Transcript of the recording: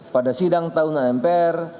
pada sidang tahunan mpr